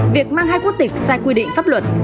việc mang hai quốc tịch sai quy định pháp luật